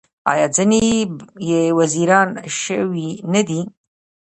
آیا ځینې یې وزیران شوي نه دي؟